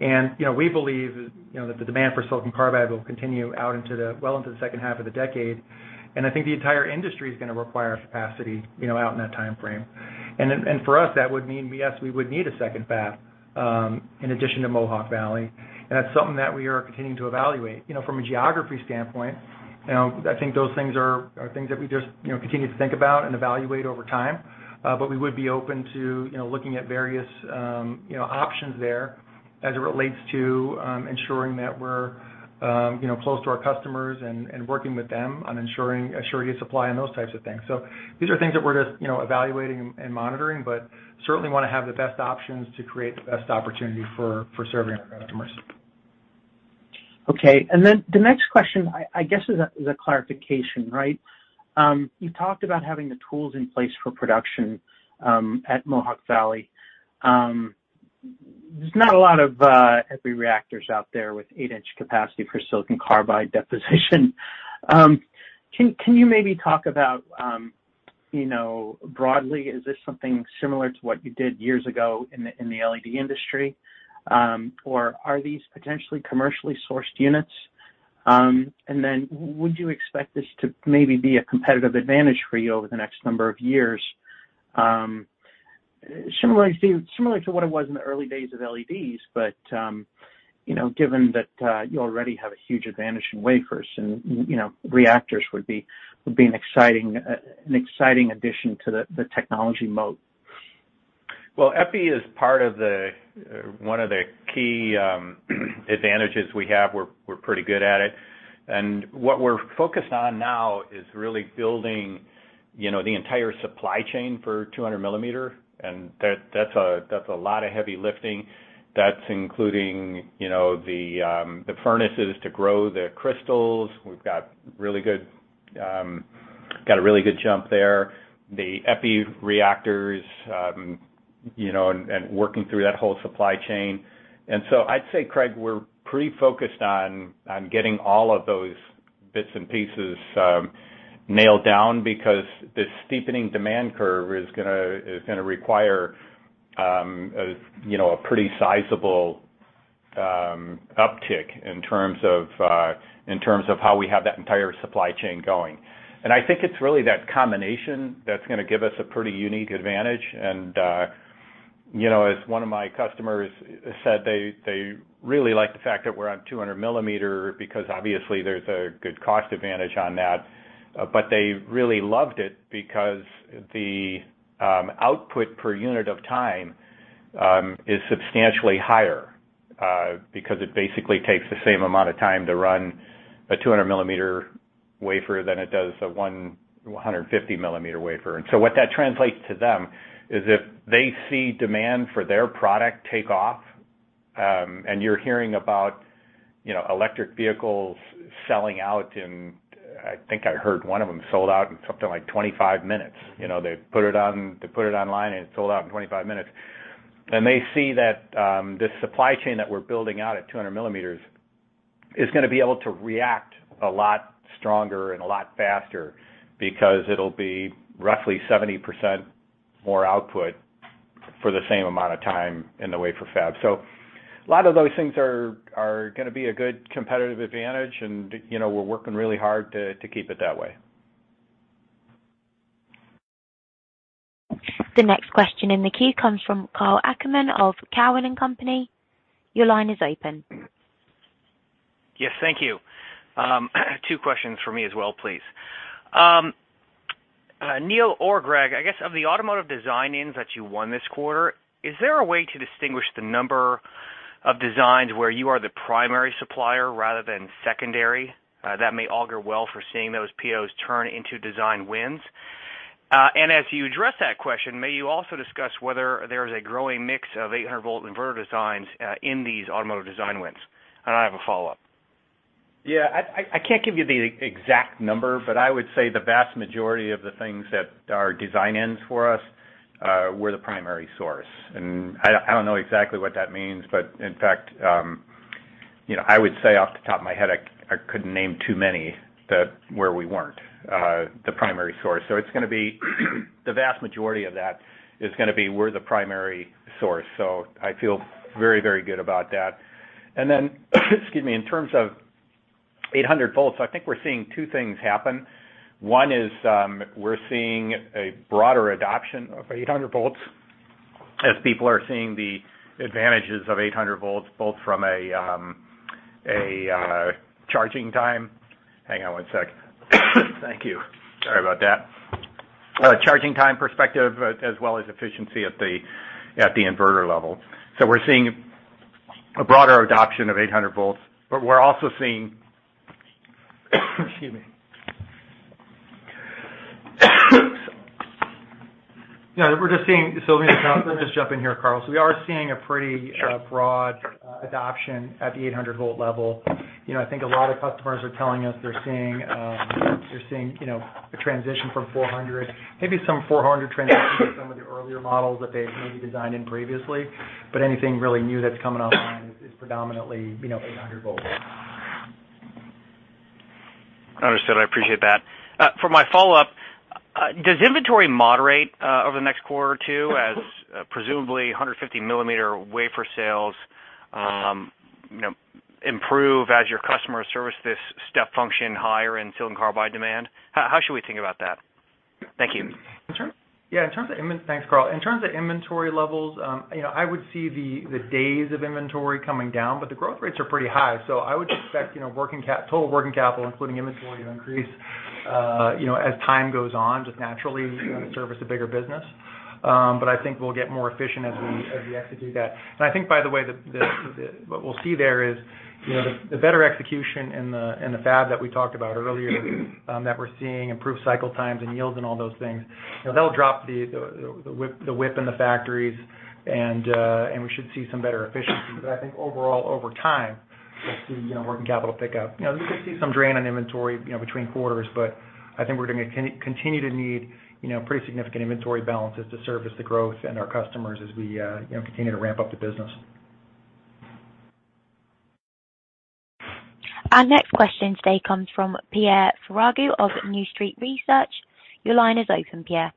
We believe, you know, that the demand for silicon carbide will continue out into the well into the second half of the decade, and I think the entire industry is gonna require capacity, you know, out in that timeframe. For us, that would mean, yes, we would need a second fab in addition to Mohawk Valley, and that's something that we are continuing to evaluate. You know, from a geography standpoint, you know, I think those things are things that we just, you know, continue to think about and evaluate over time, but we would be open to, you know, looking at various, you know, options there as it relates to, ensuring that we're, you know, close to our customers and working with them on ensuring assured supply and those types of things. These are things that we're just, you know, evaluating and monitoring, but certainly wanna have the best options to create the best opportunity for serving our customers. Okay. The next question I guess is a clarification, right? You talked about having the tools in place for production at Mohawk Valley. There's not a lot of epi reactors out there with eight-inch capacity for silicon carbide deposition. Can you maybe talk about, you know, broadly, is this something similar to what you did years ago in the LED industry? Or are these potentially commercially sourced units? Would you expect this to maybe be a competitive advantage for you over the next number of years? Similarly to what it was in the early days of LEDs, but, you know, given that, you already have a huge advantage in wafers and, you know, reactors would be an exciting addition to the technology moat. Well, Epi is part of one of the key advantages we have. We're pretty good at it. What we're focused on now is really building, you know, the entire supply chain for 200 mm, and that's a lot of heavy lifting. That's including, you know, the furnaces to grow the crystals. We've got a really good jump there. The Epi reactors, you know, and working through that whole supply chain. I'd say, Craig, we're pretty focused on getting all of those bits and pieces nailed down because the steepening demand curve is gonna require, you know, a pretty sizable uptick in terms of how we have that entire supply chain going. I think it's really that combination that's gonna give us a pretty unique advantage. You know, as one of my customers said, they really like the fact that we're on 200 mm because obviously there's a good cost advantage on that. They really loved it because the output per unit of time is substantially higher because it basically takes the same amount of time to run a 200 mm wafer than it does a 150 mm wafer. What that translates to them is if they see demand for their product take off, and you're hearing about, you know, electric vehicles selling out. I think I heard one of them sold out in something like 25 minutes. You know, they put it on, they put it online, and it sold out in 25 minutes. They see that this supply chain that we're building out at 200 mm is gonna be able to react a lot stronger and a lot faster because it'll be roughly 70% more output for the same amount of time in the wafer fab. A lot of those things are gonna be a good competitive advantage, and you know, we're working really hard to keep it that way. The next question in the queue comes from Karl Ackerman of Cowen and Company. Your line is open. Yes, thank you. Two questions for me as well, please. Neill or Gregg, I guess of the automotive design-ins that you won this quarter, is there a way to distinguish the number of designs where you are the primary supplier rather than secondary, that may augur well for seeing those POs turn into design wins? As you address that question, may you also discuss whether there is a growing mix of 800 V inverter designs, in these automotive design wins? I have a follow-up. Yeah, I can't give you the exact number, but I would say the vast majority of the things that are design-ins for us, we're the primary source. I don't know exactly what that means, but in fact, you know, I would say off the top of my head, I couldn't name too many that where we weren't the primary source. It's gonna be the vast majority of that is gonna be we're the primary source. I feel very, very good about that. Then, excuse me, in terms of 800 V, I think we're seeing two things happen. One is, we're seeing a broader adoption of 800 V as people are seeing the advantages of 800 V, both from a charging time. Hang on one sec. Thank you. Sorry about that. A charging time perspective, as well as efficiency at the inverter level. We're seeing a broader adoption of 800 V, but we're also seeing. Excuse me. Let me just jump in here, Karl. We are seeing a pretty- Sure. Broad adoption at the 800 V level. You know, I think a lot of customers are telling us they're seeing you know, a transition from 400, maybe some 400 transitions from some of the earlier models that they've maybe designed in previously, but anything really new that's coming online is predominantly you know, 800 V. Understood. I appreciate that. For my follow-up, does inventory moderate over the next quarter or two as presumably 150 mm wafer sales, you know, improve as your customers service this step function higher in silicon carbide demand? How should we think about that? Thank you. Thanks, Karl. In terms of inventory levels, you know, I would see the days of inventory coming down, but the growth rates are pretty high. I would expect, you know, total working capital, including inventory, to increase, you know, as time goes on, just naturally to service a bigger business. I think we'll get more efficient as we execute that. I think, by the way, what we'll see there is, you know, the better execution in the fab that we talked about earlier, that we're seeing improved cycle times and yields and all those things. You know, they'll drop the WIP in the factories and we should see some better efficiency. I think overall, over time, we'll see, you know, working capital pick up. You know, you could see some drain on inventory, you know, between quarters, but I think we're gonna continue to need, you know, pretty significant inventory balances to service the growth and our customers as we, you know, continue to ramp up the business. Our next question today comes from Pierre Ferragu of New Street Research. Your line is open, Pierre.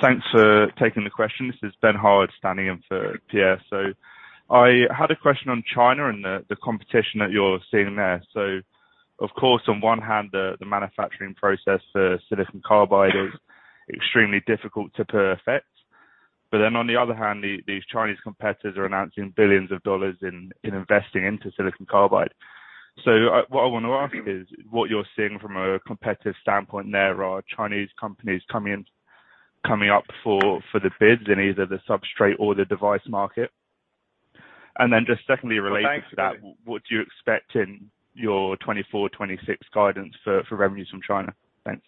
Thanks for taking the question. This is Ben Harwood standing in for Pierre. I had a question on China and the competition that you're seeing there. Of course, on one hand, the manufacturing process for silicon carbide is extremely difficult to perfect. On the other hand, these Chinese competitors are announcing billions of dollars in investing into silicon carbide. What I wanna ask is what you're seeing from a competitive standpoint there. Are Chinese companies coming up for the bids in either the substrate or the device market? Then just secondly, related to that, what do you expect in your 2024, 2026 guidance for revenues from China? Thanks.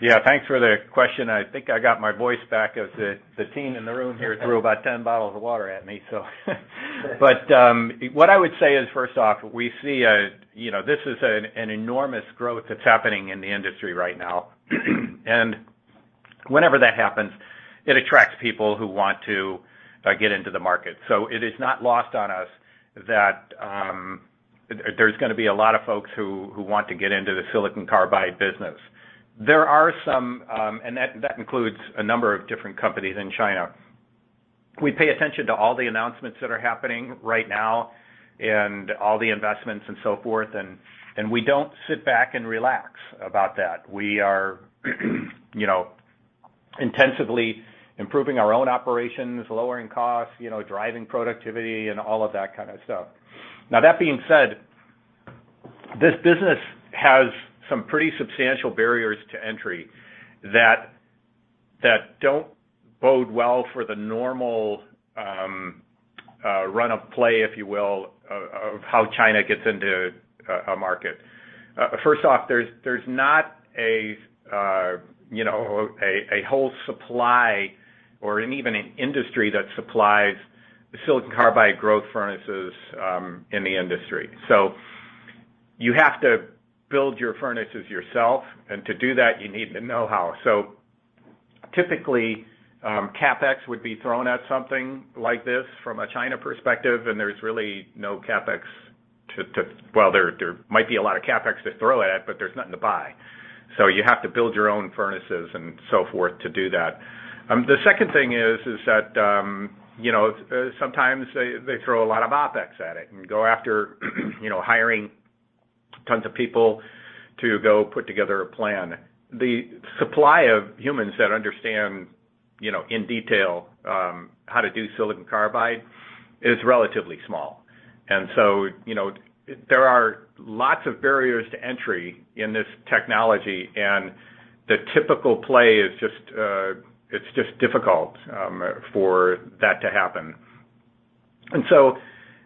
Yeah. Thanks for the question. I think I got my voice back as the team in the room here threw about 10 bottles of water at me. What I would say is, first off, we see, you know, this is an enormous growth that's happening in the industry right now. Whenever that happens, it attracts people who want to get into the market. It is not lost on us that there's gonna be a lot of folks who want to get into the silicon carbide business. There are some, and that includes a number of different companies in China. We pay attention to all the announcements that are happening right now and all the investments and so forth, and we don't sit back and relax about that. We are, you know, intensively improving our own operations, lowering costs, you know, driving productivity, and all of that kind of stuff. Now, that being said, this business has some pretty substantial barriers to entry that don't bode well for the normal run of play, if you will, of how China gets into a market. First off, there's not a whole supply or even an industry that supplies silicon carbide growth furnaces in the industry. So you have to build your furnaces yourself, and to do that, you need the know-how. So typically, CapEx would be thrown at something like this from a China perspective, and there's really no CapEx to. Well, there might be a lot of CapEx to throw at, but there's nothing to buy. You have to build your own furnaces and so forth to do that. The second thing is that, you know, sometimes they throw a lot of OpEx at it and go after, you know, hiring tons of people to go put together a plan. The supply of humans that understand, you know, in detail, how to do silicon carbide is relatively small. You know, there are lots of barriers to entry in this technology, and the typical play is just, it's just difficult, for that to happen.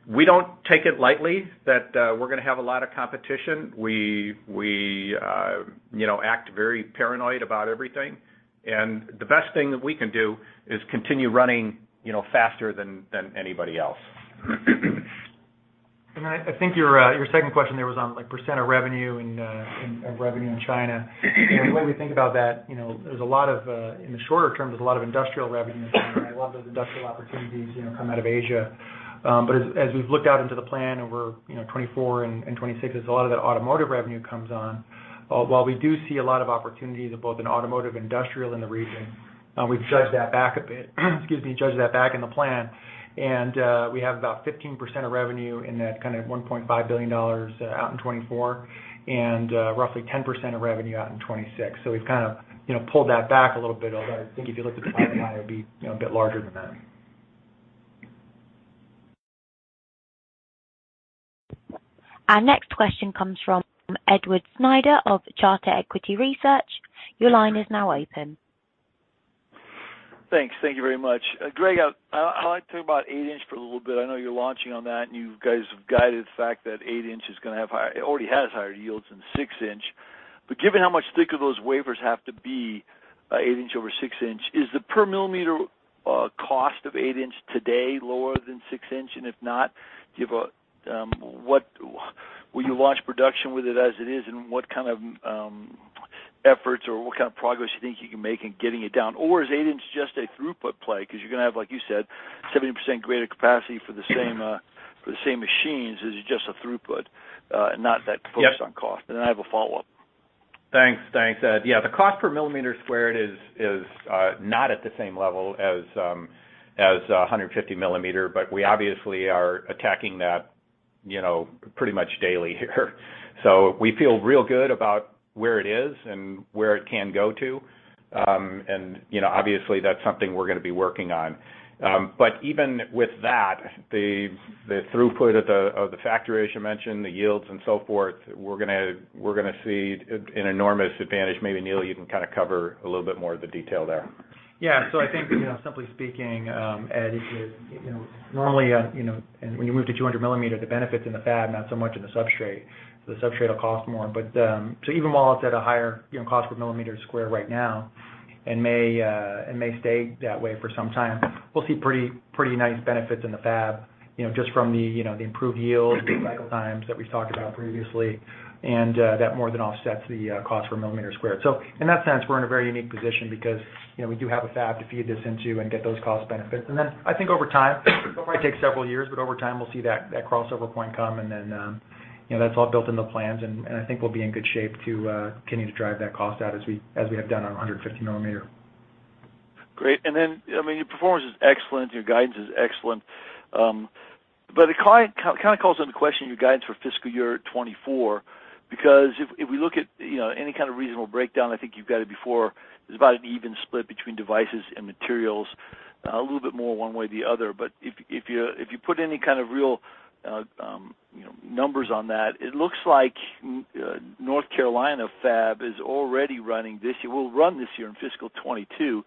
We don't take it lightly that, we're gonna have a lot of competition. We, you know, act very paranoid about everything, and the best thing that we can do is continue running, you know, faster than anybody else. I think your second question there was on, like, percent of revenue and of revenue in China. The way we think about that, you know, in the shorter-term, there's a lot of industrial revenue in China, and a lot of those industrial opportunities, you know, come out of Asia. But as we've looked out into the plan over, you know, 2024 and 2026, as a lot of that automotive revenue comes on, while we do see a lot of opportunities in both automotive industrial in the region, we've judged that back a bit, excuse me, in the plan, and we have about 15% of revenue in that kind of $1.5 billion out in 2024, and roughly 10% of revenue out in 2026. We've kind of, you know, pulled that back a little bit, although I think if you look at the pipeline, it would be, you know, a bit larger than that. Our next question comes from Edward Snyder of Charter Equity Research. Your line is now open. Thanks. Thank you very much. Gregg, I'd like to talk about eight-inch for a little bit. I know you're launching on that, and you guys have guided the fact that eight-inch is gonna have higher yields than six-inch. But given how much thicker those wafers have to be, eight-inch over six-inch, is the per millimeter cost of eight-inch today lower than six-inch? And if not, will you launch production with it as it is, and what kind of efforts or what kind of progress you think you can make in getting it down? Or is eight-inch just a throughput play? 'Cause you're gonna have, like you said, 70% greater capacity for the same machines. Is it just a throughput, and not that? Yep. Focused on cost? I have a follow-up. Thanks. Thanks, Ed. Yeah. The cost per millimeter squared is not at the same level as 150 mm, but we obviously are attacking that, you know, pretty much daily here. We feel real good about where it is and where it can go to. You know, obviously that's something we're gonna be working on. Even with that, the throughput of the factory, as you mentioned, the yields and so forth, we're gonna see an enormous advantage. Maybe, Neill, you can kind of cover a little bit more of the detail there. Yeah. I think, you know, simply speaking, Ed, you know, normally, you know, and when you move to 200 mm, the benefit's in the fab, not so much in the substrate. The substrate will cost more. Even while it's at a higher, you know, cost per square millimeter right now and may stay that way for some time, we'll see pretty nice benefits in the fab, you know, just from the, you know, the improved yield, the cycle times that we've talked about previously, and that more than offsets the cost per millimeter squared. In that sense, we're in a very unique position because, you know, we do have a fab to feed this into and get those cost benefits. I think over time, it might take several years, but over time, we'll see that crossover point come, you know, that's all built in the plans. I think we'll be in good shape to continue to drive that cost out as we have done on 150 mm. Great. I mean, your performance is excellent, your guidance is excellent. The client kind of calls into question your guidance for fiscal year 2024, because if we look at, you know, any kind of reasonable breakdown, I think you've got it before, there's about an even split between devices and materials, a little bit more one way or the other. If you put any kind of real, you know, numbers on that, it looks like North Carolina fab is already running this year. It'll run this year in fiscal 2022,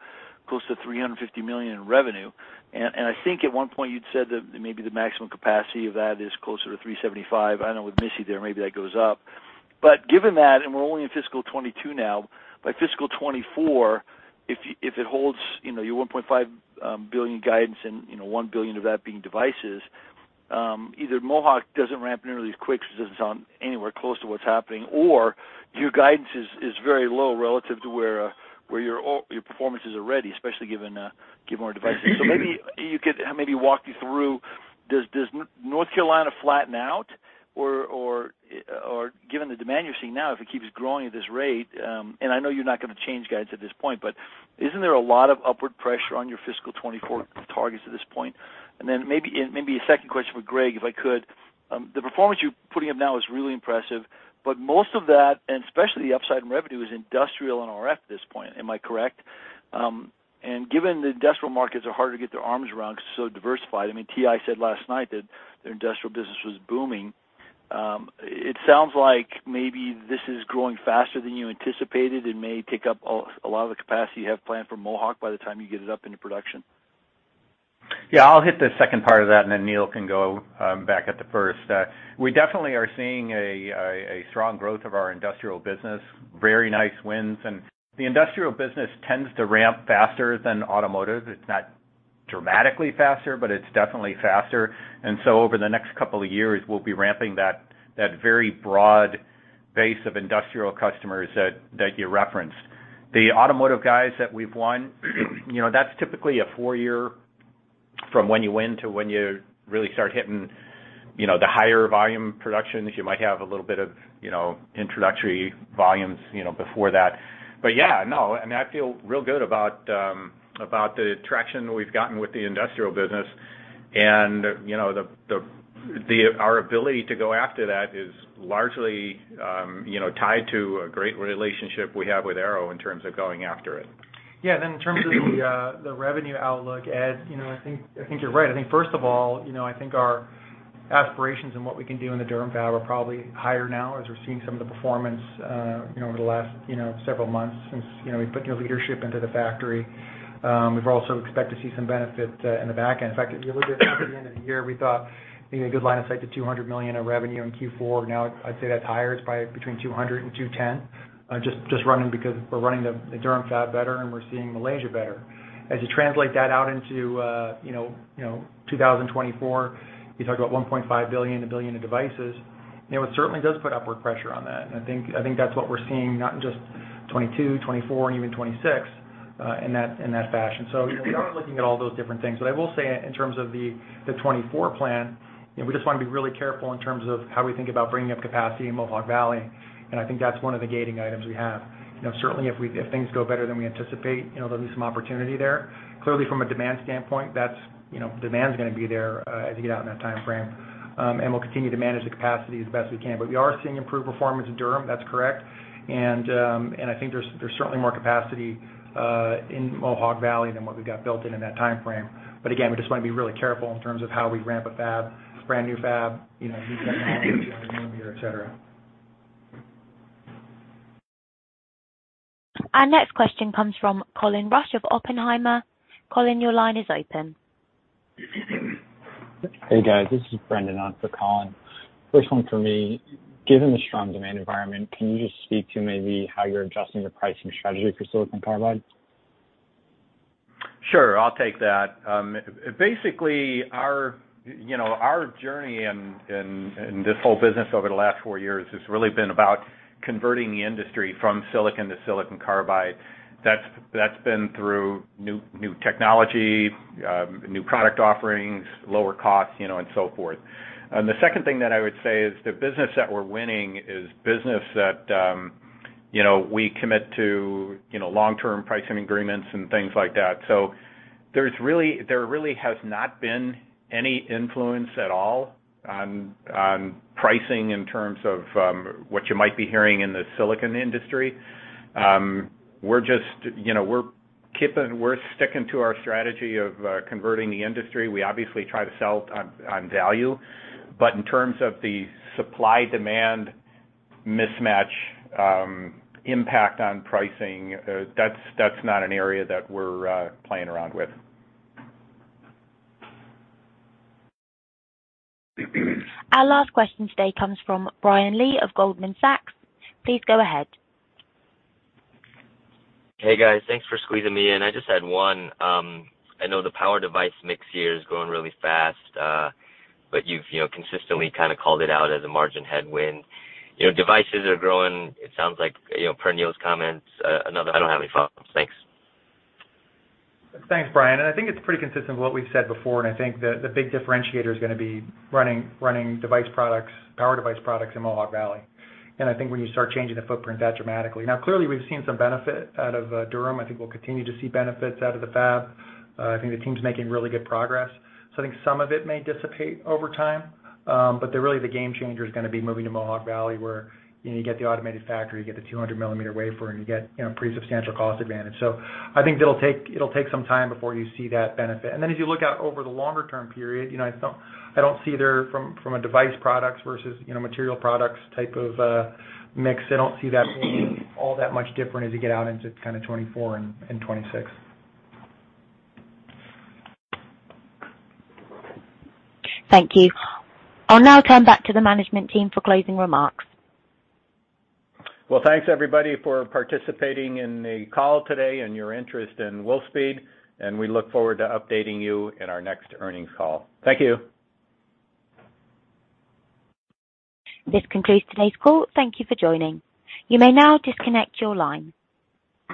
close to $350 million in revenue. I think at one point you'd said that maybe the maximum capacity of that is closer to $375 million. I know with Missy there, maybe that goes up. Given that, we're only in fiscal 2022 now, by fiscal 2024, if it holds, you know, your $1.5 billion guidance and, you know, $1 billion of that being devices, either Mohawk doesn't ramp nearly as quick, so this isn't anywhere close to what's happening, or your guidance is very low relative to where your performance is already, especially given more devices. So maybe you could walk me through, does North Carolina flatten out? Or given the demand you're seeing now, if it keeps growing at this rate, and I know you're not gonna change guidance at this point, but isn't there a lot of upward pressure on your fiscal 2024 targets at this point? And then maybe a second question for Gregg, if I could. The performance you're putting up now is really impressive, but most of that, and especially the upside in revenue, is industrial and RF at this point. Am I correct? Given the industrial markets are harder to get their arms around because it's so diversified, I mean, TI said last night that their industrial business was booming, it sounds like maybe this is growing faster than you anticipated. It may take up a lot of the capacity you have planned for Mohawk by the time you get it up into production. Yeah. I'll hit the second part of that, and then Neill can go back at the first. We definitely are seeing a strong growth of our industrial business, very nice wins. The industrial business tends to ramp faster than automotive. It's not dramatically faster, but it's definitely faster. Over the next couple of years, we'll be ramping that very broad base of industrial customers that you referenced. The automotive guys that we've won, you know, that's typically a four-year from when you win to when you really start hitting, you know, the higher volume productions. You might have a little bit of, you know, introductory volumes, you know, before that. Yeah, no, I feel real good about the traction we've gotten with the industrial business. You know, our ability to go after that is largely, you know, tied to a great relationship we have with Arrow in terms of going after it. Yeah. In terms of the revenue outlook, Ed, you know, I think you're right. I think first of all, you know, I think our aspirations and what we can do in the Durham fab are probably higher now as we're seeing some of the performance, you know, over the last, you know, several months since, you know, we put new leadership into the factory. We also expect to see some benefit in the back end. In fact, if you look at the end of the year, we thought, you know, a good line of sight to $200 million of revenue in Q4. Now I'd say that's higher. It's probably between $200 million and $210 million, just running because we're running the Durham fab better and we're seeing Malaysia better. As you translate that out into, you know, 2024, you talk about $1.5 billion, 1 billion in devices, you know, it certainly does put upward pressure on that. I think that's what we're seeing, not in just 2022, 2024 and even 2026, in that fashion. We are looking at all those different things. I will say in terms of the 2024 plan, you know, we just wanna be really careful in terms of how we think about bringing up capacity in Mohawk Valley, and I think that's one of the gating items we have. You know, certainly if things go better than we anticipate, you know, there'll be some opportunity there. Clearly, from a demand standpoint, that's, you know, demand's gonna be there, as you get out in that timeframe. We'll continue to manage the capacity as best we can. We are seeing improved performance in Durham, that's correct, and I think there's certainly more capacity in Mohawk Valley than what we've got built in that timeframe. Again, we just wanna be really careful in terms of how we ramp a fab, brand new fab, you know, et cetera. Our next question comes from Colin Rusch of Oppenheimer. Colin, your line is open. Hey, guys. This is Brendan on for Colin. First one for me. Given the strong demand environment, can you just speak to maybe how you're adjusting your pricing strategy for silicon carbide? Sure. I'll take that. Basically our journey in this whole business over the last four years has really been about converting the industry from silicon to silicon carbide. That's been through new technology, new product offerings, lower costs, you know, and so forth. The second thing that I would say is the business that we're winning is business that we commit to long-term pricing agreements and things like that. So there really has not been any influence at all on pricing in terms of what you might be hearing in the silicon industry. We're just keeping to our strategy of converting the industry. We obviously try to sell on value. In terms of the supply-demand mismatch, impact on pricing, that's not an area that we're playing around with. Our last question today comes from Brian Lee of Goldman Sachs. Please go ahead. Hey, guys. Thanks for squeezing me in. I just had one. I know the power device mix here is growing really fast, but you've, you know, consistently kind of called it out as a margin headwind. You know, devices are growing, it sounds like, you know, per Neill's comments, another I don't have any problems. Thanks. Thanks, Brian. I think it's pretty consistent with what we've said before. I think the big differentiator is gonna be running device products, power device products in Mohawk Valley. I think when you start changing the footprint, that dramatically. Now clearly we've seen some benefit out of Durham. I think we'll continue to see benefits out of the fab. I think the team's making really good progress. I think some of it may dissipate over time, but really the game changer is gonna be moving to Mohawk Valley, where you know, you get the automated factory, you get the 200 mm wafer, and you get you know, pretty substantial cost advantage. I think it'll take some time before you see that benefit. As you look out over the longer-term period, you know, I don't see that from a device products versus, you know, material products type of mix, I don't see that being all that much different as you get out into kind of 2024 and 2026. Thank you. I'll now turn back to the management team for closing remarks. Well, thanks everybody for participating in the call today and your interest in Wolfspeed, and we look forward to updating you in our next earnings call. Thank you. This concludes today's call. Thank you for joining. You may now disconnect your line.